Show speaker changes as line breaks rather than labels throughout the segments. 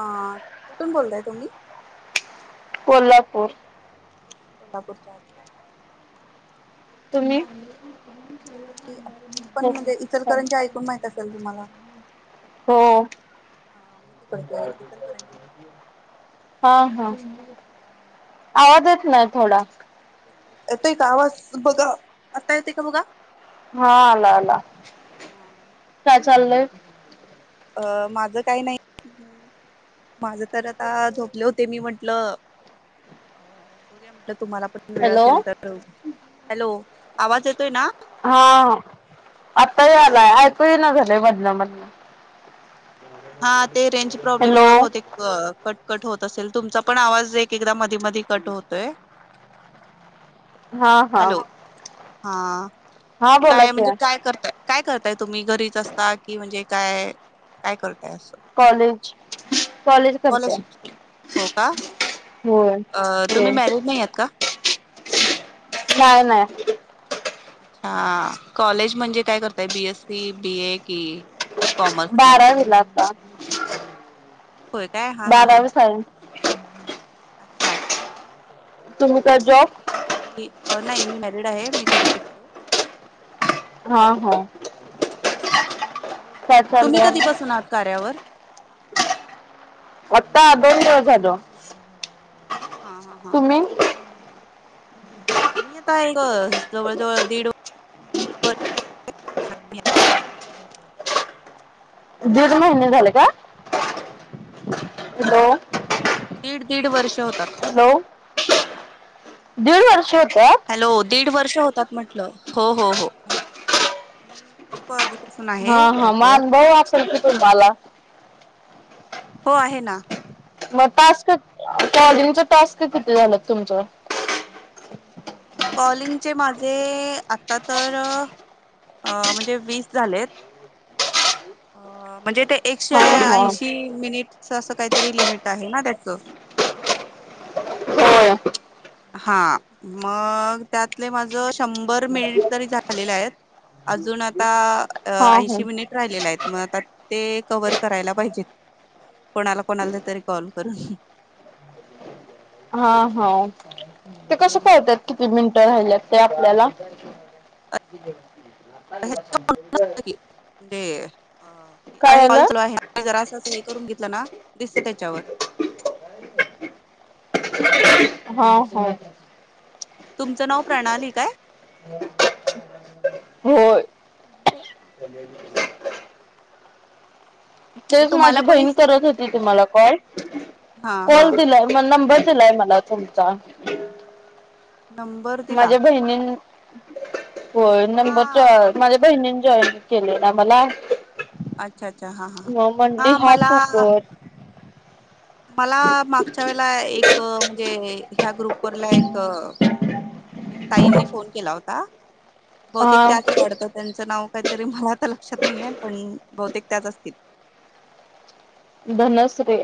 ह कुठून बोलताय तुम्ही?
कोल्हापूर,
कोल्हापूर चे आहात का?
तुम्ही
मी मी
[unintelligible]
पण
हो
म्हणजे इचलकरंजी
[unintelligible]
ऐकून माहित असेल तुम्हाला.
हो,
हा मी तिकडची आहे इचलकरंजी.
[unintelligible] हा, हा [unintelligible] आवाज येत नाही थोडा,
येतोय का आवाज बघा आता येतोय का बघा,
हा आला आला, काय चाललंय.
अ माझं काही नाही. माझ तर आता झोपले होते, मी म्हंटलं अ बघू या म्हटलं, तुम्हाला पण वेळ
हॅलो
असेल तर, हॅलो! आवाज येतोय ना?
आताही आलाय ऐकूही ना, झालंय मदन, मदन,
हा ते रेंज प्रॉब्लेम मुळ बहतेक कट, कट होत असेल, तुमचा पण आवाज एक एकदा मधी मध कट होतोय.
हा हा
हॅलो? [unintelligible] हां
हा बोला
काय
कि
म्हणजे काय करताय, काय करताय तुम्ही, घरीच असता कि म्हणजे काय काय करताय असं
कॉलेज कॉलेज करते
हो का
होय
अ तुम्ही
होय
मॅरिड नाही आहात का
नाही नाही
अच्छा कॉलेज म्हणजे काय करताय बीएससी बीए की
बारावी ला आहै आता
होय काय हा हा हा
ह [inaudible]
अच्छा अच्छा
तुम्ही काय जॉब
नाही मी मॅरिड आहे मी घरीच असतेो
हा हा काय
तुम्ही
चाललंय
कधीपसून आहात कार्यावर
होता दोन दिवस झालं
हा हा हा मी आता एक जवळ जवळ दीड
दीड महिने झालं का हॅलो
दीड दीड वर्ष होतात
हॅलो
हा
दीड वर्ष हो
हॅलो दीड वर्ष होतात म्हटलं हो हो हो मी खूप आहे
हा हा
ऍपवर
मान बहऊ असेल कि तु मला
हो आहे ना
मग टास्क टॉलिंगच टास्क किती झालं तुमचं
कॉलिंगचे माझे आता तर अ म्हणजे वीस झालेत. अ म्हणजे ते एकशे
हा हा
ऐंशी मिनिट असं काही तरी लिमिट आहे ना त्याच
हो
हा मग त्यातले माझ शंभर मिनिट तरी झालेले आहेत. अजून आता
हा हा
ऐंशी मिनिट राहिलेले आहेत. मग आता ते कव्हर करायला पाहिजेत. कोणाला कोणाल तरी कॉल करून.
हा हा ते कसं पाहतात किती मिनिटे. राहले ते आपल्याला [inaudible]
अ, [inaudible]
काय आलं
त हे करून घेतलं ना दिसत त्याच्यावर
हा हो
तुमचं नाव प्रणाली काय
हो
म्हणजे
[inaudible] तेच माझी
तुम्हाला कोणी
बहिण करत होती तुम्हाला कॉल
हा हा
कॉल दिलाय मग नंबर दिलाय लाय मला तुमचा
नंबर दिला
माझ्या बहिणी व नंबर
हा
चार माझ्या बहिणी जॉईन केले ना मला
अच्छा अच्छा हा हा
मग म्हणली
हा मला
तू कर
मला मागच्या वेळला एक म्हणजे ह्या ग्रुप वरला एक एक ताईंनी फोन केला होता बहुतेक
हा
त्याच वाडत त्यांचं नाव काहीतरी मला आ तर लक्षात नाहीये पण बहुतेक त्याच असतील.
धनश्री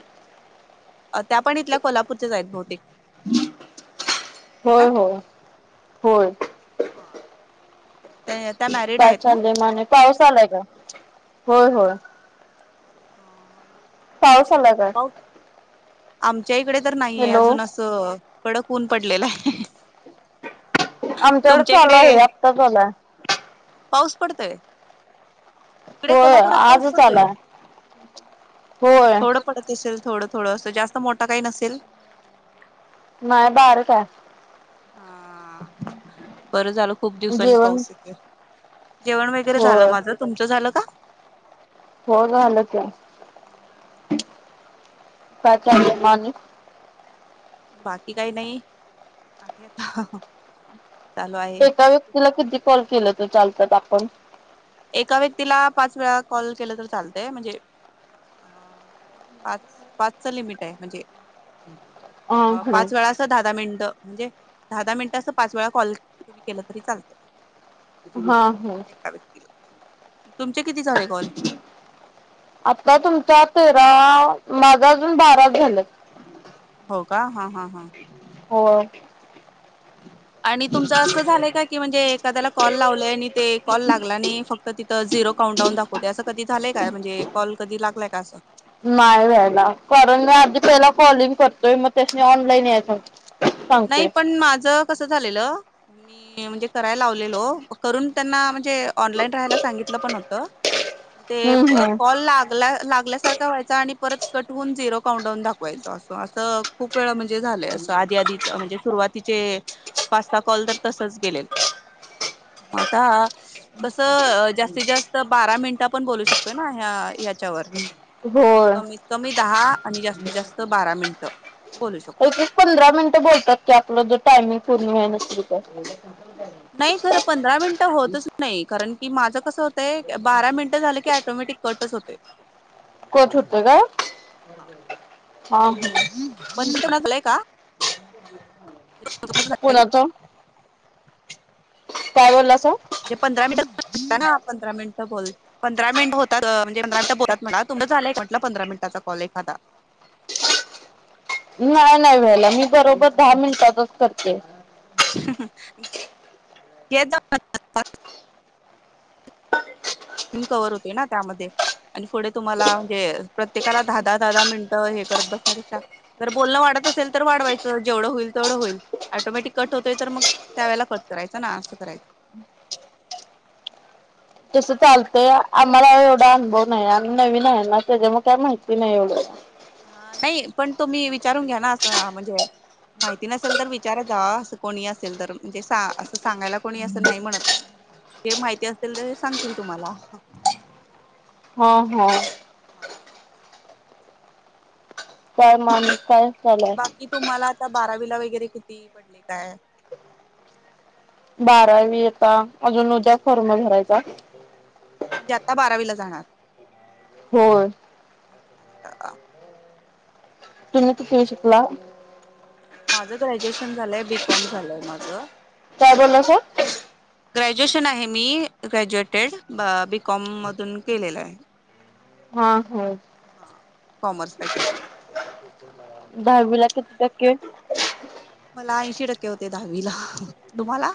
अ त्या पण इथल्या कोल्हापूरच्या आहे बहुतेक.
होय, होय, होय.
हा.
पाचाल देमाने पाऊस आलाय का होय होय.
हा.
पाऊस आला का?
आमच्या इकडे तर नाहीये अजून असं कडक ऊन पडलेलय.
आमच्याकडे चालू आहे आत्ता आलाय.
पाऊस पडतोय. इकडे
होय
कोल्हापुरात पाऊस
आजच
पडतोय,
आलाय होय
थोड पडत असेल थोड. थोडंस जास्त मोठं काही नसेल.
म बार काय.
हा बर झाल. खूप दिवसांनी
जेवण
पाऊस येतोय. जेवण वगैरे झालं
होय
माझं तुमचं झालं का?
हो झाल की, काय चाललं म आणि.
बाकी काही नाही, आणि आता चालू आहे.
एका व्यक्तीला किती कॉल केलं त चालतात. आपण?
एका व्यक्तीला पाच वेळा कॉल केलं तर चालतय. म्हणजे पाच पाचचं लिमिट आहे म्हणजे
हा
पाच वेळा
हम्म
अस दहा दहा मिनटं म्हणजे दहा दहा मिनिट अस पाच वेळा कॉल तुम्ही केलं तरी चालते
हा हम्
एका व्यक्तीला तुमचे किती झाले कॉल
आता तुमचा तेरा मागा अजून बाराच झालं
हो का हा हा हा
हो
आणि तुमचं असं झालंय का की म्हणजे एखाद्याला कॉल लावलंय आणि ते कॉल लागला आणि फक्त तिथं झिरो काउंट डाऊन दाखवते असं कधी झालंय का म्हणजे कॉल कधी लालाय का असं
नाव लिहायला कारण मी आधी पहिला कॉलिंग करतोय मग त्यास म ऑनलाईन यायच...
नाही पण माझ कस झालेलं मी म्हणजे करायला लावलेलो करून त्यांना म्हणजे ऑनलाईन राहायला सांगितलं पण होत ते
हम्म हम्म.
कॉल लाग लागल्यासारख आणि परत कटून झिरो काउंटडाऊन दाखवायच अस अस खूप वेळ म्हज झा आध आ सुरुवातीचे पाचता कॉल तर तसच गेलेल आता कसं जास्तीत जास्त बारा मिनिटा पण बोलू शकतोय ना ह्या याच्यावर
होय
कमीत कमी दहा आणि जास्तीत जास्त बारा मिनट
पंधरा मिनिटं बोलतात की आपलं जो टायमिंग पूर्ण वेन
नाही खरं पंधरा मिनिटं होतच नाही कारण की माझं कसं होत बारा मिनिटं झालं की टोमॅटिक कटच होतते
कोठ होत का हा ह
य का..
कुणाचा काय बोललास तु
म्हणजे पंधरा मिनट पंधरा मिनिट बोल पंरा मिनट होत म्हणजे पंरा मिनिट बोलत म्ह तु् झालंय म्हट पधरा मिनटाचा कॉल एखादा [unintelligible]
नाही नाही व्हायला मी बरोबर दहा मिनिटातच करते
केदा हमकवर होते ना त्यामध्ये आणि पुढे तुम्हाला म्हणजे प्रत्येकाला दहा दहा दहा दहा मिनिटं हे करत बसण्यापेक्षा जर बोलणं वाढत असेल तर वाढवायचं जेवढं होईल तेवढं होईल ऑटोमॅटिक कट होतोय तर मग त्यावेेळेला कट करायच ना असं करायचं
तसं चालतय आम्हाला एवढा अनुभव नाही आणि नवीन आहे ना त्याच्यामुळे काय माहिती नाही एवढं
ह नाही पण तो मी विचारून घ्या ना असं म्हणजे माहिती नसेल तर विचार जा असं कोणी असेल तर म्हणजे असं सांगायला कोणी असं नाही म्हणत मी जे माहिती असेल ते सांगतील तुम्हाला
हा हो
हा
काय मामस कायच झालाय
बाकी तुम्हाला आता बारावीला वगैरे किती पडले काय
बारावी यता अजून उद्या कर्म भरायचा
ती आता बारावीला जाणार
हो
ह हा
तुम्ही कुठे शिकलात
माझं ग्रॅज्युएशन झालंय बीकॉम झालंय माझं..
काय बोललास
ग्रॅज्युएशन आहे मी ग्रॅज्युएटेड बीकॉम मधून केलेलं आहे.
हा होय.
हा कॉमर्स फॅकल्टी.
दहावीला कती टके.
मला ऐंशी टक्के होते दहावीला. तुम्हाला?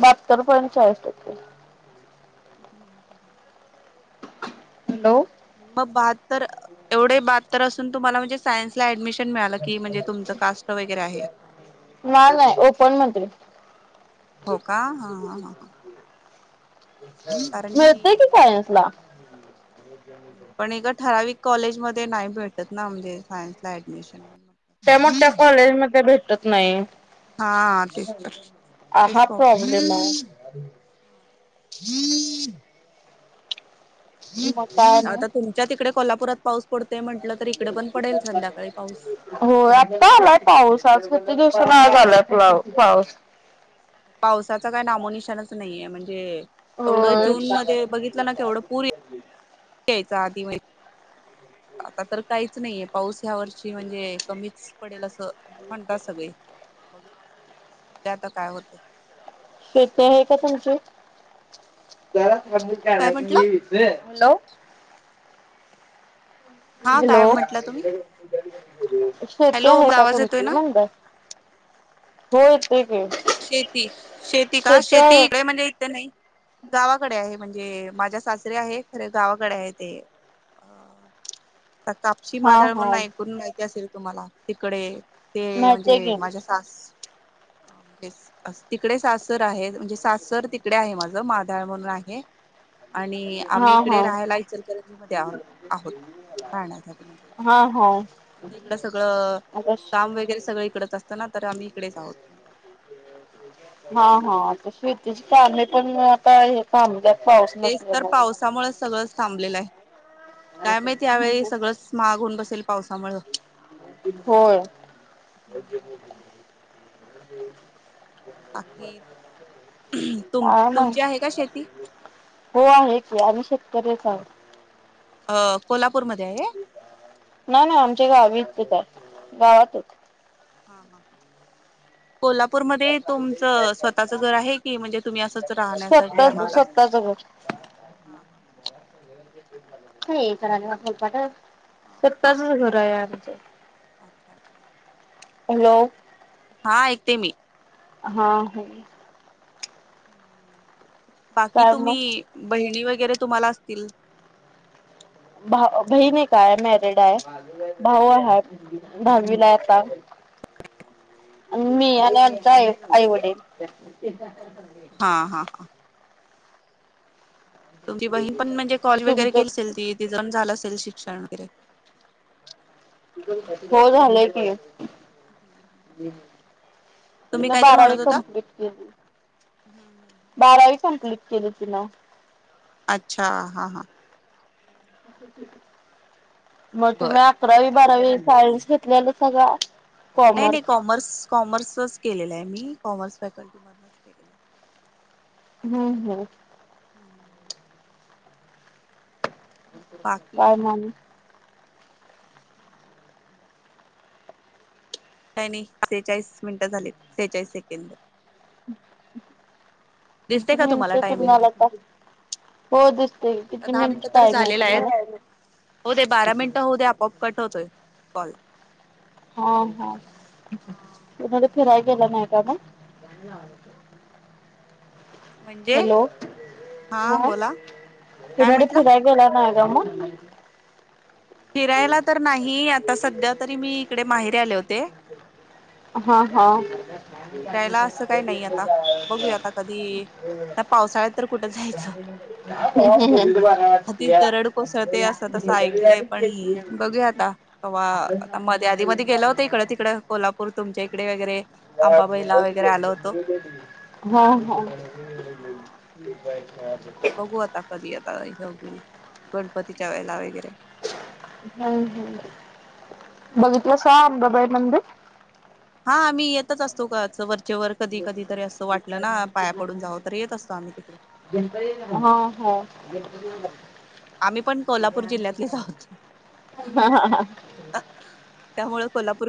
बहाततर पॉइंट चाळीस टक्के.
हम्म ह [inaudible]
हॅलो.
म बाहत्तर एवढे बाहत्तर असून तुम्हाला म्हणजे सायन्सला ऍडमिशन मिळालं की म्हणजे तुमचं कास्ट वगैरे आहे.
ना नाही ओपन म्हंते मी.
हो का? हा हा ह.
मिळते की सायन्सला.
पण एका ठराविक कॉलेज मध्ये नाही भेटत ना म्हणजे सायन्सला ऍडमिशन.
च्या मोठ्या कॉलेजमध्ये भेटत नाही.
हा तेच तर तेच
हा
प्रॉब्लेम
प्रॉब्लेमे. हम्म. [inaudible] ह् [inaudible]
आता तुमच्या तिकडे कोल्हापुरात पाऊस पडतोय म्हटलं तर इकडे पण पडेल संध्याकाळी पाऊस आमच्या
हो
इकडे
आता आला पाऊस आज होते दिवसा आज आलाय पाऊ पाऊस.
पावसाचा काय नामोनिशनच नाहीये म्हणजे, एवढं
होय
जून मध्ये बघितलं ना के एवढं पूर यायचा अतिव्हायच, आता तर काहीच नाहीये पाऊस. त्या वर्षी म्हणजे कमीच पडेल अस म्हणतात सगळे मग बघुया आता काय होते.
शेती आहे का तुमची.
काय म्हटलं
हॅलो.
हा
हॅलो.
काय म्हटलं तुम्ही
शेती
हॅलो
आहे का
आवाज येतोय
तुमची
ना
म्हटले.
शेती शेती का? शेती नाही म्हणजे इथ नाही. गावाकडे आहे म्हणजे माझ्या सासरे आहे खरे गावाकडे आहे ते. अ कापशी
हा
मादळ म्हणून
हा
ऐकून माहिती असेल तुम्हाला, तिकडे ते
माहितीय
म्हणजे
की
माझ्या सास तिकडे सासर आहे म्हणजे सासर तिकडे आहे माझं माधळ म्हणून आहे. आणि
हा
आम्ही इकडे
हा
राहायला इचलकरी मध्ये आो आहोत. राहण्यासाठी
हा हा
इकड सगळं
आता
काम वगैरे सगळं इकडच असत. खर तर आम्ही इकडेच आहोत.
हा हाआता शेतीची चाल्या पण आता हे थांबलयात
तेच तर पावसामुळे सगळंच थांबलेला आहे कायमत त्यावेळी सगळंच महाग होऊून बसेल. पावसामुळं.
होय.
बाकी तुम
काय माहित
तुमची आहे का शेती?
हो आहे की आम्ही शेतकरीच आहोत.
अ कोल्हापूरमध्ये आहे.
ना ना आमच्या गावीचच आहे गावातच
हां हां हां कोल्हापूरमध्येध्ये तुमचं स्वतःचं घर आहे की म्हणजे तुम्ही असंच राहण्यासाठी आला होता.
अच्छा
हा हा
नाही इतर आल्यावर कपाट
हा. हा
स्वतःचं घर आहे आमचे
अच्छा अच्छा.
हलो
हा ऐकते मी
हा ह
बाकी
काय मग
तुम्ही बहिणी वगैरे तुम्हाला असतील?
भा बहीन एक हाय मॅरिड आहे भाऊ हाय दहावीला आहे आता. मी
तुमच्यापेक्षा
आणि
छोट्या.
आमच्या आई वडील
हा हा हा. तुमची बहीण पण म्हणजे कॉल वगैरे
तुमचं
केली असेल ती तिचं पण झालं असेल शि सण वगैरे
हो झालंय की.
[unintelligible] तुम्ही काय तर
बारावी
म्हणत होता?
कप्लीट केली.
हम्म हम्म हम्म.
बारावी पण क्लिक केली तिन.
अच्छा हा हा.
मग
बर
तुम्ही अकरावी बारावी सायन्स घेतल्यालसा का
नाही नाही कॉमर्स कॉमर्सच. केलेलं आहे मी कॉमर्स फॅकल्टी मधूनच केलेलं आहे.
हम्म हम्म.
[inaudible] बाकी
काय मान
काय नाही सेहेचाळीस मिनिटं झाली सेहेचाळीस सेकंद.
[unintelligible]
दिसते का तुम्हाला टायमिंग
हो दिसते किती मिनिट टाइम आहे तुम्हाला
होऊ दे बारा मिनिटं होऊ दे आपआप कट होतोय कॉल.
हा हा.
हा,
फिराय गेला नाही आपण
म्हणजे
हॅलो
हा
कोन
बोला काय
कुराडे
म्हंटला
फिराय गेला नाही. दमून
फिरायला तर नाही आता सध्या तरी मी इकडे माहेरे आले होते.
हा हा.
फिरायला असं काही नाही आता बघूया आता कधी पावसाळ्यात तर कुठं जायचं आधी दरड कोसळते अस. ऐकलंय पण बघूया पूर तुमच्या इकडे वगैरे. आंबाबाईला वगैरे आलो होतो
हा ह.
[unintelligible]
हम्म हम्. बघितलं का अंबाबाई
हा, आम्ही येतच असतो वार त्याच्यावर कधी कधीतरी असं वाटलं ना पाया पडून जाव तर येत असतो आम्ही तिकडे.
हा ह.
हा आम्ही पण कोल्हापूर जिल्ह्यातलेच आहोत
हा हा ह.
त्यामुळे कोल्हापूर